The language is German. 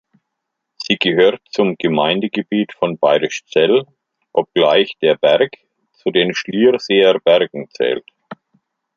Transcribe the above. Sie gehört zum Gemeindegebiet von Bayrischzell, obgleich der Berg zu den Schlierseer Bergen zählt.